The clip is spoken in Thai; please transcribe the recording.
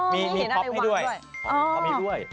มีพร้อมให้ด้วย